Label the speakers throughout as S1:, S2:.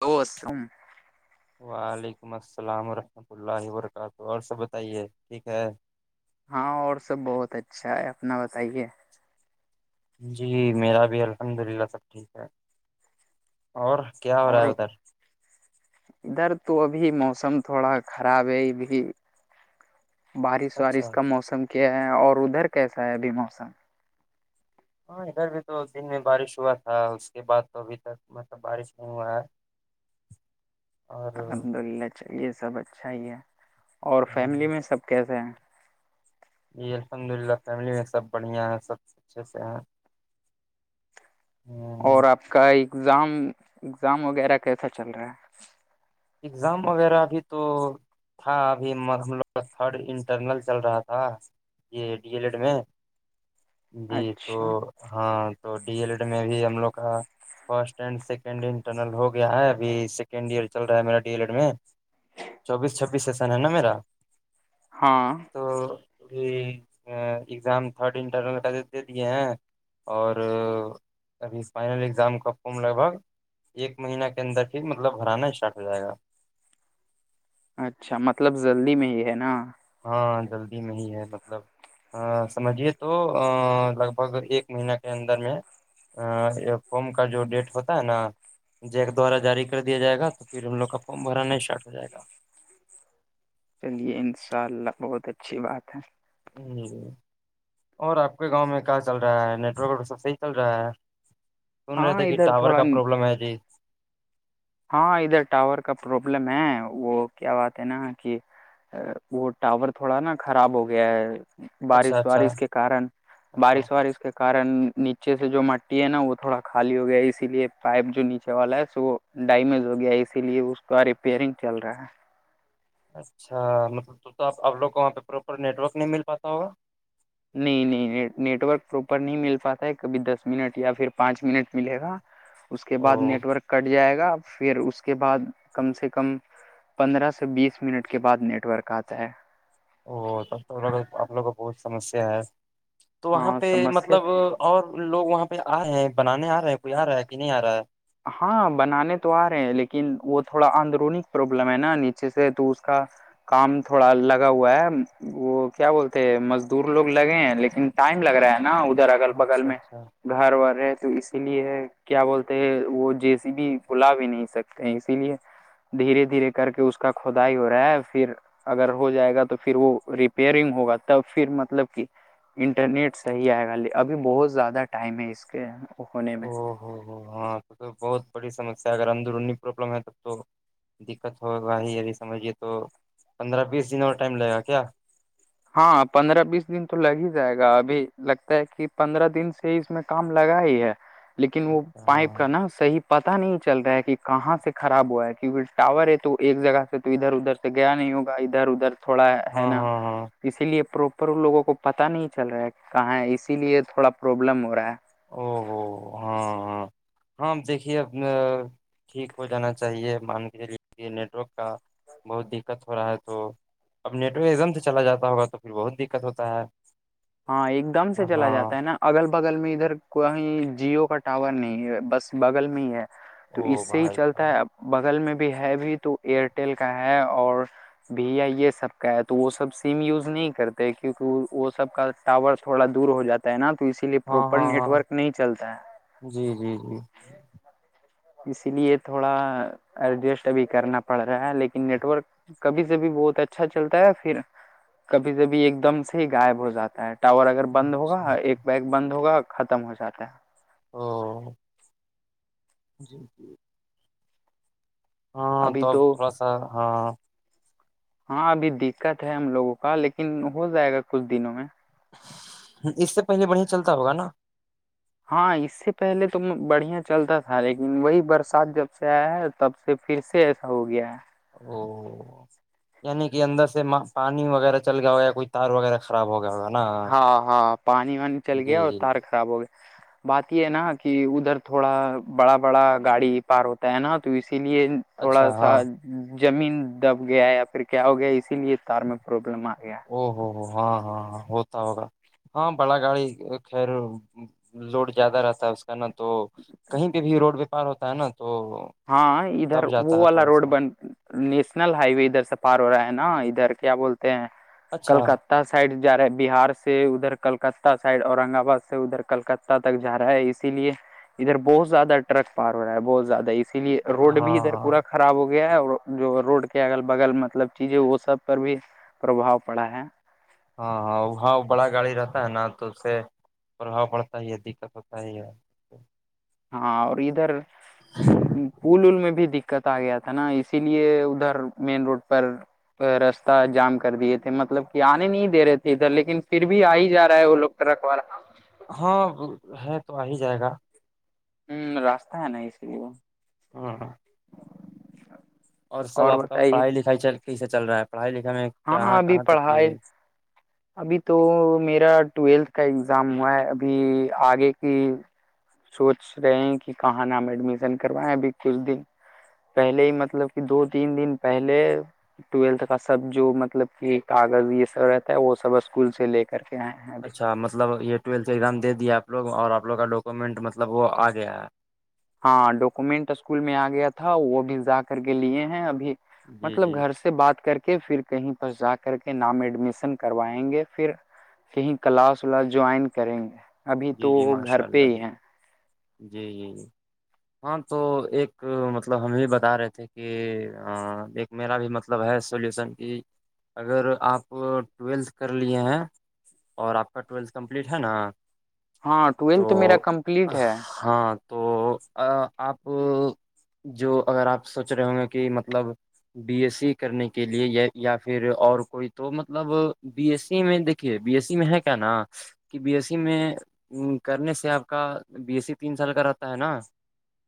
S1: تو [unintelligible]
S2: وعلیکم السلام ورحمۃ اللہ وبرکاتہ اور سب بتائیے ٹھیک ہے
S1: ہاں اور سب بہت اچھا ہے اپنا بتائیے
S2: جی میرا بھی الحمد للہ سب ٹھیک ہے اور کیا ہو رہا
S1: اور
S2: ہے ادھر [inaudible]
S1: ادھر تو ابھی موسم تھوڑا خراب ہے ابھی بارش وارش
S2: اچھا
S1: کا موسم کیا ہے اور ادھر کیسا ہے ابھی موسم
S2: ہاں ادھر بھی تو دن میں بارش ہوا تھا اس کے بعد تو ابھی تک مطلب بارش نہیں ہوا ہے [inaudible] اور
S1: الحمد للہ چلیے سب اچھا ہی ہے اور فیملی
S2: ہاں،
S1: میں سب کیسے ہیں
S2: جی الحمد للہ فیملی میں سب بڑھیا ہے سب اچھے سے ہیں
S1: اور آپ کا اگزام اگزام وغیرہ کیسا چل رہا ہے
S2: اگزام وغیرہ ابھی تو تھا ابھی ہم لوگ کا تھرڈ انٹرنل چل رہا تھا جی ڈی ایل ایڈ میں
S1: ہے
S2: جی تو
S1: اچھا
S2: ہاں تو ڈی ایل ایڈ میں بھی ہم لوگ کا first and second year internal ہو گیا ہے اھی سیکنڈ ایئر چل رہا ہے میرا ڈی ایل ایڈ میں چوبیس چھبیس سیشن ہے نا میرا
S1: ہاں
S2: تو ا ایگزام تھرڈ انٹر دے دیے ہیں اور ابھی فائنل اگزام کا فارم لگ بھگ ایک مہینہ کے اندر پھر مطلب ہھرانا اسٹارٹ ہو جائے گا
S1: اچھا مطلب جلدی میں ہی ہے نا
S2: ہاں جلدی میں ہی ہے مطلب ہ سمجھیے تو لگ بھگ ایک مہینہ کے اندر میں فم کا جو ڈیٹ ہوتا ہے نا جیک دوارا جاری کر دیا جائے گا تو پھر ہم لوگ کا فارم بھرانا اسٹارٹ ہو جائے گا
S1: چلیے ان شاء اللہ بہت اچھی بات ہے
S2: ہی اور آپ کے گاؤں میں کیا چل رہا ہے نیٹ ورک سب صحیح چل رہا ہے سن رہے
S1: ہاں
S2: تھے کہ
S1: ادھر
S2: ٹاور کا
S1: تھوڑا
S2: پروابلم ہے جی
S1: ہاں ادھر ٹاور کا پروابلم ہے وہ کیا بات ہے نا کہ وہ ٹاور تھوڑا نا خراب ہو گیا ہے
S2: اچھا
S1: بارش
S2: اچھا
S1: وارش کے کارن
S2: اچھا
S1: بارش وارش کے کارن نیچے سے جو مٹی ہے نا وہ تھوڑا خالی ہو گیا ہے اسی لیے پائپ جو نیچے والا ہے س وہ ڈیمیج ہو گیا اسی لیے اس کا ریپیئرنگ چل رہا ہے
S2: اچھا مطلب تو تو آپ اپ لوگ کو وہاں پہ پراپر نیٹ ورک نہیں مل پاتا ہوگا
S1: نہیں نہیں نیٹورک پراپر نہیں مل پاتا ہے کبھی دس منٹ یا پھر پانچ منٹ ملے گا اس کے
S2: او
S1: بعد نیٹ ورک کٹ جائے گا پھر اس کے بعد کم سے کم پندرہ سے بیس منٹ کے بعد نیٹ ورک آتا ہے
S2: ا تب تو آ لوگ کا بہت سمسیا ہے تو وہاں
S1: ہاں
S2: پہ
S1: سمسیا
S2: مطلب اور لوگ وہاں پہ آ رہے ہیں بنانے آ رہے ہیں کوئی آ رہا ہے کہ نہیں آ رہا ہے
S1: ہاں بنانے تو آ رہے ہیں لیکن وہ تھوڑا اندرونی پروابلم ہے نا نیچے سے تو اس کا کام تھوڑا لگا ہوا ہے وہ کیا بولتے ہیں مزدور لوگ لگے ہیں لیکن ٹائم لگ رہا ہے نا ادھر اگل بگل
S2: اچھا
S1: میں
S2: اچھا
S1: گھر و رہے تو اسی لیے کیا بولتے وہ جیسی بھی بلا بھی نہیں سکتے ہیں اسی لیے دھیرے دھیرے کر کے اس کا کھدائی ہو رہا ہے پھر اگر ہو جائے گا تو پھر وہ ریپیئرنگ ہوگا تب پھر مطلب کہ انٹرنیٹ صحیح آئے گا ابھی بہت زیادہ ٹائم ہے اس کے ہونے میں
S2: او ہاں تو تو بہت بڑی سمسیا ہے اگر اندرونی پروابلم ہے تب تو دقت ہو بھائی سمجھیے تو پندرہ بیس دنوں اور ٹائم لگے گا کیا
S1: ہاں پندرہ بیس دن تو لگ ہی جائے گا ابھی لگتا ہے کہ پندرہ دن سے اس میں کام لگا ہی ہے لیکن وہ پائپ
S2: ہاں
S1: کا نا صحیح پتتا نہیں چل رہا ہے کہ کہاں سے خراب ہوا ہے کیونکہ ٹاور ہے تو ایک جگہ سے تو ادھر ادھر سے گیا نہیں ہوگا ادھر ادھر تھوڑا ہے
S2: ہاں
S1: نا
S2: ہاں ہاں
S1: اسی لیے پروپر لوگوں کو پتاہ نہیں چل رہا ہے کہاں ہے اسی لیے تھوڑا پروابلم ہو رہا ہے
S2: او ہو ہاں ہاں [inaudible] ہاں دیکھیے اب ٹھیک ہو جانا چاہیے مان کے لیے یہ نیٹ ورک کا بہت دقت ہو رہا ہے تو اب نٹورک ایکم سے چلا جاتا ہوگا تو پھر بہت دقت ہوتا ہے
S1: ہاں ایک دم سے چلا
S2: ہاں
S1: جاتا ہے نا اگل بغل میں ادھر کویں جیو کا ٹاور نہیں ہے بس بغل میں ہی ہے تو اس
S2: او
S1: سے ہی
S2: بھائی
S1: چلتا
S2: صاحب
S1: ہے بغل میں بھی ہے بھی تو ایئرٹیل کا ہے اور بھی ہے یہ سب کا ہے تو وہ سب سم یوز نہیں کرتے کیونکہ وہ سب کا ٹاور تھوڑا دور ہو جاتا ہے نا تو اسی لیے
S2: ہاں
S1: پروپر
S2: ہاں
S1: نیٹ
S2: ہاں
S1: ورک نہیں چلتا ہے
S2: جی جی جی
S1: اسی لیے تھوڑا ایڈجسٹ ابھی کرنا پڑ رہا ہے لیکن نیٹورک کبھی سےبھی بہت اچھا چلتا ہے پھر کبھی سےبھی ایک دم سے غائب ہو جاتا ہے ٹاور اگر بند ہوگا
S2: اچھا
S1: ایک بیگ بند ہوگا ختم ہو جاتا ہے
S2: ہاں [inaudible] جی جی [inaudible] ہاں تو تھوڑا سا ہاں [inaudible]
S1: ہاں ابھی دقت ہے ہم لوگوں کا لیکن ہو جائے گا کچھ دنوں میں
S2: اس سے پہلے بڑھیا چلتا ہوگا نا
S1: ہاں اس سے پہلے تو بڑھیا چلتا تھا لیکن وہی برسات جب سے آیا ہے تب سے پھر سے ایسا ہو گیا
S2: او یعنی کہ اندر سے پانی وغیرہ چل گیا ہو یا کوئی تار وغیرہ خراب ہو گیا ہوگا نا
S1: ہاں ہاں پانی وانی چل
S2: جی
S1: گیا اور
S2: جی
S1: تار
S2: جی
S1: خراب ہو گیا بات یہ ہے نا کہ ادھر تھوڑا بڑا بڑا گاڑی پار ہوتا ہے نا تو اسی لیے تھوڑا
S2: اچھا ہاں
S1: سا زمین دب گیا یا پھر کیا ہو گیا اسی لیے تار میں پربلم آ گیا
S2: او ہو ہو ہاں ہاں ہاں ہوتا ہوگا ہاں بڑا گاڑی خیر [inaudible] لوڈ زیادہ رہتا ہے اس کا ن تو کہیں پہ بھی روڈ وپار ہوتا ہے نا تو
S1: ہاں ادھر
S2: دب
S1: وہ
S2: جاتا ہے
S1: والا
S2: تھوڑا
S1: روڈ
S2: سا
S1: بن نیشنل ہائی وے ادھر سے پار ہوتا ہے نہ کیا بولتے ہیں
S2: اچھا
S1: کلکتہ سائڈ جا رہا ہے بہار سے ادھر کلکتہ سائڈ اورنگباد سے ادھر کلکت تک جا رہا ہے اسی لیے ادھر بہت زیادہ ٹرک پار ہو رہا ہے بہت زیادہ اس اسی لیے
S2: ہاں
S1: روڈ
S2: ہاں
S1: بھی ادھر پورا خراب ہو گیا ہے اور جو روڈ کے اگل بگل مطلب چیزیں وہ سب پر بھی پرباؤ پڑا ہے
S2: ہاں ہاں وہاں بڑا گاڑی رہتا ہے نا تو اس سے پرباؤ پڑتا ہی ہے دقت ہوتا ہی ہے
S1: ہاں اور ادھر پول میں بھی دقت آ گیا تھا نا اسی لیے ادھر مین روڈ پر رستہ جام کر دیے تھے مطلب کہ آنے نہیں دے رہے تھے ادھر لیکن پھر بھی آ ہی جا رہا ہے وہ لوگ رکھوا [inaudible]
S2: ہاں ہے تو آ ہی جائے گا
S1: ہوں رستہ نہیں ہے نہ اس لیے
S2: ہاں [inaudible] اور سب آپ کا پڑھائی لکھائی کیسے چل رہا ہے پڑھائی لکھائی
S1: ہاں ابھی
S2: کہاں تک کیے
S1: پڑھائی
S2: ہیں
S1: ابھی تو میرا ٹویلتھ کا اگزام ہوا ہے ابھی آگے کی سوچ رہے ہیں کہ کہاں نام ایڈمیشن کروائیں ابھی کس دن پہلے ہی مطلب کہ دو تین دن پہلے ٹویلتھ کا سب جو مطلب کہ کاغذ یہ سب رہتا ہے وہ سب اسکول سے لے کے کر کے آ [inaudible]
S2: اچھا مطلب یہ ٹیلتھ ایگزامے دیا آپوگ اور آپوگ کا ڈاکومنٹ مطلب وہ آ گیا ہے
S1: ہاں ڈاکومنٹ اسکول میں آ گیا تھا وہ بھی جا کر کے لیے ہیں ابھی
S2: جی
S1: مطلب
S2: جی
S1: گھر سے بات کر کے پھر کہیں پر جا کر کے نام ایڈمیشن کروائیں گے پھر کہیں کلاس ولاس جوائن کریں گے ابھی تو
S2: جی جی
S1: وہ گھر
S2: ماشاء اللہ
S1: پہ ہی
S2: جی
S1: ہیں-
S2: جی- جی- جی ہاں تو ایک مطلب ہم یہ بتا رہے تھے کہ ایک- میرا بھی مطلب ہے سلیوشن کہ اگر آپ ٹویلتھ کر لیے ہیں- اور آپ کا ٹویلتھ کمپلیٹ ہے نا-
S1: ہاں ٹویلتھ میرا
S2: تو
S1: کمپلیٹ ہے-
S2: ہاں تو آپ جو اگر آپ سوچ رہے ہوں گے کہ مطلب- بی ایس سی کرنے کے لیے یا یا پھر اور کوئی تو مطلب بی ایس سی میں دیک- د بی ایس س میں ہے کیا نا کہ بی ایس س میں- کرنے سے آپ کا بی ایس سی تین سال کا رہتا ہے نا-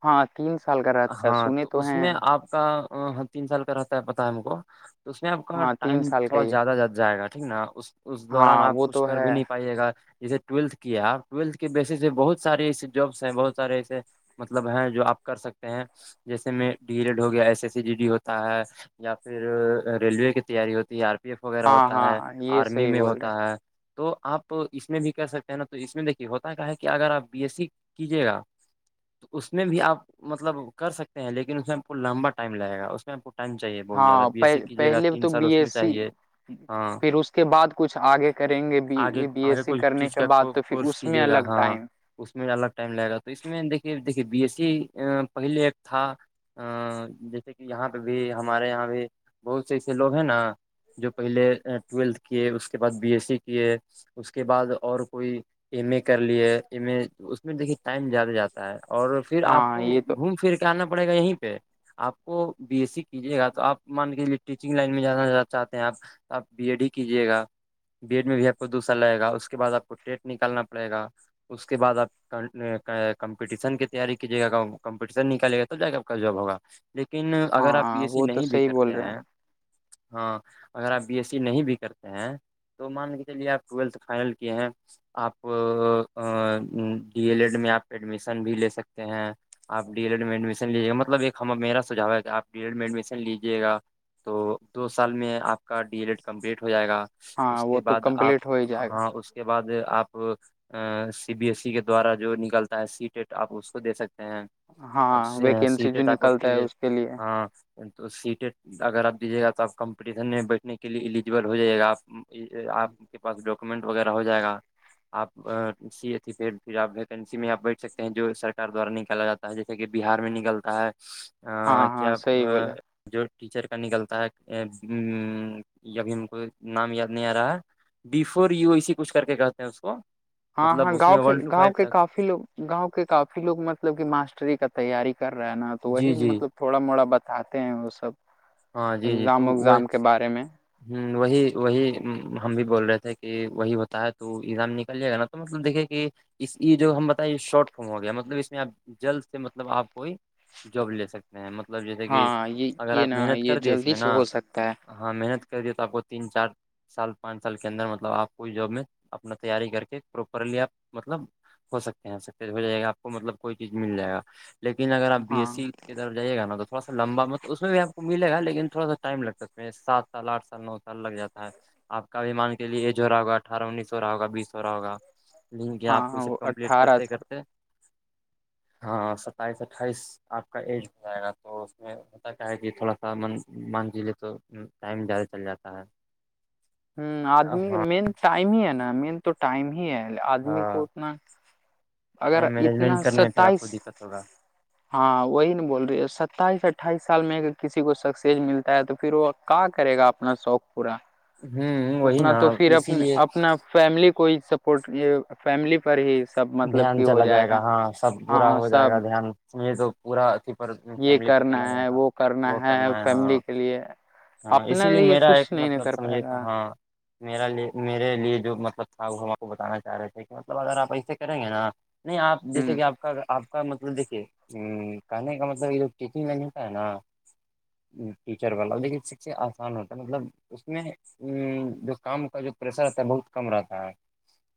S1: ہاں تین سال کا رہتا ہے
S2: ہاں
S1: سنے تو
S2: اس میں
S1: ہیں-
S2: آپ کا تین سال کا رہتا ہے پتا ہے م کو تو اس میں آپ کا
S1: ہاں تین
S2: ٹائم
S1: سال کا
S2: تھوڑا
S1: ہی ہے۔
S2: زیادہ زیاد جائے گا ٹھیک نا اس اس دوران
S1: ہاں وہ
S2: آپ
S1: تو
S2: کر بھی
S1: ہے
S2: نہیں پائے گا اسسے ٹویلتھ کے- کیا آپ ٹویلتھ کے بیس سے بہت ساریے ایے جبس ہیں بہت سارے ایسے- مطلب ہے جو آپ کر سکتے ہیں جیسے میں ڈی ایڈ ہو گیا S E C G D ہوتا ہے- یا پھر ریلوے کی تیاری ہوتی ہے یار- ایف وغیرہ
S1: ہاں
S2: ہوتا
S1: ہاں
S2: ہے
S1: یہ
S2: آرمی
S1: صحیح
S2: میں
S1: بول رہے ہیں۔
S2: ہوتا ہے تو آپ اس میں بھی کر سکتے- نا تو اس میں دیکے ہوتا کیا ہے کہ اگر آپ بی ایس سی کیجیے گا- تو اس میں بھی آپ مطلب کر سکتے ہیں لیکن اس میں پور لمبا ٹائم لگے گا اس- آپ کو ٹائم چاہیے بہت زیادہ
S1: ہاں
S2: بی ایس س
S1: پہ-
S2: کیجیے گ
S1: پہلے
S2: تین
S1: تو
S2: سال
S1: بی
S2: اس میں
S1: ایس سی
S2: چیے-
S1: پھر اس کے بعد کچھ آگے کریں گے
S2: آگے
S1: بی- بی ایس
S2: آگے
S1: سی
S2: کوئی
S1: کرنے
S2: چیز
S1: کے
S2: کا
S1: بعد- تو پھر
S2: کورس
S1: اس میں
S2: کیجیے گا
S1: الگ
S2: ہاں
S1: ٹائم-
S2: اس میں الگ ٹائم لگ گا تو اس میں دیکے دیکے بی ایس سی پہلے ایک تھا- ا جیسے کہ یہاں پہ بھی ہمارے یہاں بھی بہت سے ایسے لوگ ہیں نا جو پہلے ٹویلتھ کیے اس کے بعد بی ایس سی کیے اس کے بعد اور- کوئی ایم ا کر لی ہے ایم ا اس میں دیکے ٹائم زیادہ جاتا ہے اور پھر آپ
S1: ہاں
S2: کو
S1: یہ تو
S2: گھوم پھر کے آنا پڑے گا یہیں پہ- آپ کو بی ایس سی کیجیے گا تو آپ مان کےجے ٹیچنگ لائن میں جانا ز چاہتے ہیں آپ- آپ بی ایڈ ہی کیجیے گا بی ایڈ میں بھی آپ کو دوسرا لگے گا اس کے بعد آپ کو- ڈٹ نکالنا پڑے گا اس کے بعد آپ- کمپٹیشن کی تیاری کیجیے گا کمپٹیشن نکالے گا تو جا گ کا جاب ہوگا- لیکن اگر آپ بی
S1: ہاں
S2: ایس سی
S1: وہ تو
S2: نہیں بھی
S1: صحیح بول
S2: کرتے
S1: رہے
S2: ہیں- ہاں اگر آپ بی ایس سی نہیں بھی کرتے ہیں- تو مان کے چلیے آپ ٹویلتھ فائنل کیے ہیں- آپ ڈی ایل ایڈ میں آپ ایڈمیشن بھی لے سکتے ہیں- آپ ڈی ایل ایڈ میں ایڈمیش لیجیے گا مطلب ایک میرا سجھا ہے کہ آپ ڈی ایڈ میں ایڈمیشن لیجیے گا- تو دو سال میں آپ کا ڈی ایل ایڈ کمپلیٹ ہو جائے گا- اس
S1: ہاں وہ
S2: کے
S1: تو
S2: بعد آپ
S1: کمپلیٹ ہو ہی جائے
S2: ہاں اس کے بعد آپ ا سی بی ایس ای کے دوارا جو نکلتا ہے سی ٹیٹ آپ اس کو دے سکتے ہیں-
S1: گا
S2: اب
S1: ہاں ویکینسی
S2: سیٹیں
S1: جو
S2: طقت کے
S1: نکلتا ہے
S2: لیے
S1: اس
S2: ہاں- تو سیٹ اگر آپ دیجیے گا تو آپ کمپٹیشن میں بیٹھنے کے لیے ایلیجیبل ہو جائے گا آپ- آپ کے پاس ڈاکومنٹ وغیرہ ہو جائے گا- آپ سی تھی پ پھر آپ ویکینسی میں آپ بیٹھ سکتے ہیں جو سرار دوارا نکالا جاتا- جیسے کہ بہار میں نکلتا ہے
S1: ہاں ہاں
S2: کیا
S1: صحیح بولے
S2: جو ٹیچر کا نکلتا ہے ابھی ہم کو نام یاد نہیں آ رہا ہے- بفور یو ایی کچھ کر کے کہتے ہیں اس کو-
S1: ہاں- ہاں
S2: مطلب اس
S1: گاؤں
S2: میں
S1: کے
S2: ون ٹو فائیو
S1: گاؤں کے
S2: تک
S1: کافی لوگ- گاؤں کے کافی لوگ مطلب کہ ماسٹری کا تیاری کر رہا ہے نا تو
S2: جی
S1: وہی
S2: جی
S1: مطلب تھوڑا موڑا بتاتے ہیں وہ سب
S2: ہاں جی جی
S1: اگزام
S2: تو وہ
S1: وگزام کے بارے میں
S2: ہ وہی وہی ہم بھی بول رہے تھے کہ وہی ہوتا ہے تو ایزام نکل جائے گا نا مطلب دیکے کہ یہ جو ہم بتائیے شارٹ فم ہو گیا مطلب اس میں آپ جلد سے مطلب آپ کوئی جاب لے سکتے ہیں مطلب جیسے کہ
S1: ہاں یہ
S2: اگر
S1: یہ
S2: آپ
S1: نا
S2: محنت
S1: یہ
S2: کر اس
S1: جلدی
S2: میں
S1: سے
S2: نا
S1: ہو سکتا ہے
S2: ہاں محنت کر دی تو آپ کو تین چار سال پانچ سال کے اندر مطلب آپ کو جب میں اپنا تیاری کر کے پروپرلی آپ مطلب ہو سکتے ہیں سکز ہو جائے گا آپ کو مطلب کوئی چیز مل جائے گا لیکن اگر آپ بی ای
S1: ہاں
S2: سی طر جائیے گا تو تھوڑا سا لمبا مطلب اس میں بھیپ ملے گا لیکن تھوڑا سا ٹائم لگتا ہے اس میں سات سال آٹھ سال نو سال لگ جاتا ہے آپ کا بھیمان کے لیے ای جو ہو رہا ہوا اٹھارہ انیس س ہو رہا ہوا بیس س رہ ہوا لنک گیا آپ کو یہ
S1: ہاں
S2: سب
S1: وہ
S2: کمپلیٹ
S1: اٹھارہ
S2: کرتے
S1: سال
S2: کرتے ہاں ستائیس اٹھائیس آپ کا ایج ہو جائے گا تو اس میں ہوتا کیا ہے کہ تھوڑا سا من مان جی لے تو ٹائم زیادہ چل جاتا ہے
S1: ہ آدمی
S2: ہاں
S1: مین ٹائم ہی ہے نا مین تو ٹائم ہی ہے آدمی
S2: ہاں
S1: کو اتنا اگر
S2: ٹائم
S1: اتنا
S2: مینجمنٹ کرنے میں پھر آپ
S1: ستائیس
S2: کو دقت ہوگا
S1: ہاں وہی نہیں بول رہی ستائیس اٹھائیس سال میں اگر کسی کو سکسیز ملتا ہے تو پھر وہ کا کرے گا اپنا شوق پورا
S2: ہوں وہی
S1: اتنا
S2: نا
S1: تو پھر اپ
S2: اسی لیے
S1: اپنا فیملی کو ہی سپورٹ فیملی پر ہی سب مطلب
S2: دھیان
S1: کہ ہو
S2: چلا جائے گا ہاں سب
S1: ہاں
S2: پورا
S1: ہاں
S2: ہو جائے گا
S1: سب
S2: دھیان میں تو پورا ا
S1: یہ کرنا ہے وہ کرنا ہے فیملی کے لیے
S2: ہاں اسی
S1: اپنے
S2: لیے میرا ایک
S1: کچھ نہیں نہ
S2: مطلب
S1: کر
S2: سمجھے
S1: پائے
S2: تو
S1: گا
S2: ہاں میرا لی میرے لیے جو مطلب تھا وہ ہم آپ کو بتانا چاہ رہے تھے کہ مطلب اگر آپ ایسے کریں گے نا نہیں آپ
S1: ہ
S2: جیسے کہ آپ کا آپ کا مطلب دیکھیے کہنے کا مطلب یہ ٹیچنگ میں ملتا ہے نا ٹیچر والا لیکن سے آسان ہوتا ہے مطلب اس میں ا جو کام کا جو پریشر رہتا ہے بہت کم رہتا ہے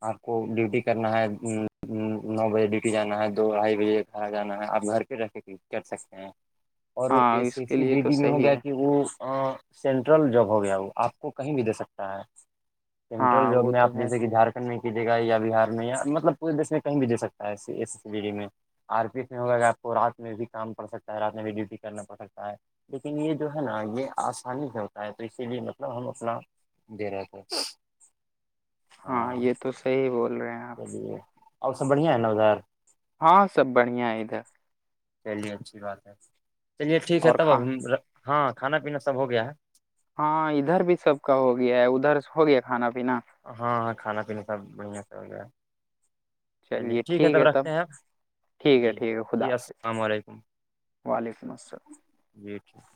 S2: آپ کو ڈیوٹی کرنا ہے ہوں ہوں [inaudible] نو بجے ڈیوٹی جانا ہے دو ڈھائی بجے گھر آ جانا ہے آپ گھر پہ رکھ کر سکتے ہیں اور
S1: ہاں
S2: اے
S1: اس
S2: ا
S1: کے
S2: سی
S1: لیے
S2: جے
S1: تو
S2: ڈی میں ہو
S1: صحیح
S2: گیا
S1: ہے
S2: کہ وہ [inaudible] سینٹرل جاب ہو گیا وہ آپ کو کہیں بھی دے سکتا ہے سینٹرل
S1: ہاں
S2: جاب
S1: وہ
S2: میں آپ
S1: تو ہے
S2: جیسے کہ جھارکھنڈ میں کیجیے گا یا بہار میں یا مطلب پورے دیش میں کہیں بھی دے سکتا ہے ای ای ڈی میں آر پس میں ہوگا آپ کو رات میں بھی کام پڑ سکتا ہے رات میں بھی ڈیوٹی کرنا پڑ سکتا ہے لیکن یہ جو ہے نا یہ آسانی سے ہوتا ہے تو اسی لیے مطلب ہم اپنا بیرار [inaudible]
S1: ہاں یہ تو صحیح بول رہے ہیں آپ
S2: چلیے اور سب بڑھیا ہے نا اظار
S1: ہاں سب بڑھیا ہے ادھر
S2: چلیے اچھی بات ہے چلیے ٹھیک ہے
S1: اور
S2: تب
S1: کھا
S2: اب ہاں کھانا پینا سب ہو گیا ہے
S1: ہاں ادھر بھی سب کا ہو گیا ہے ادھر ہو گیا کھانا پینا
S2: ہاں ہاں کھانا پینا سب بڑھیا سے ہو گیا چلیے ٹھیک ہے تب رکھتے ہیں آپ
S1: ٹھیک ہے
S2: جی
S1: ٹھیک ہے خدا
S2: جی
S1: حافظ
S2: السلام علیکم
S1: وعلیکم السلام
S2: جی ٹھیک [inaudible]